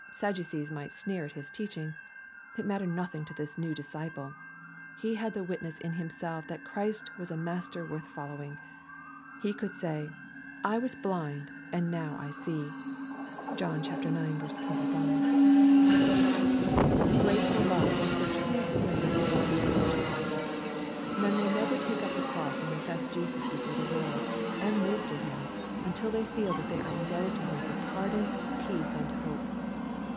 Sadduceea might sneer at His teaching. It mattered nothing to this new disciple. He had the witness in himself that Christ was a Master worth following. He could say, " I was blind, and now I see." (John ix. 25.) Grateful love is the true spring of real obedience to Christ. Men will never take up the cross and confess Jesus before the world, and live to Him, until they feel that they are indebted to Him for pardon, peace, and hope.